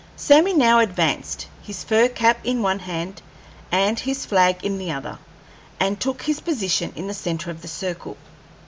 Sammy now advanced, his fur cap in one hand and his flag in the other, and took his position in the centre of the circle.